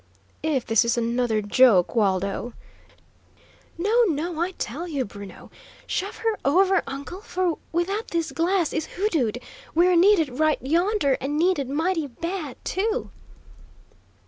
"If this is another joke, Waldo " "No, no, I tell you, Bruno! Shove her over, uncle, for, without this glass is hoodooed, we're needed right yonder, and needed mighty bad, too!"